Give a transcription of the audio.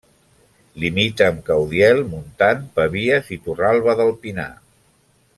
Limita amb Caudiel, Montant, Pavies i Torralba del Pinar.